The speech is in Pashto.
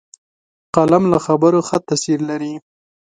قلم له خبرو ښه تاثیر لري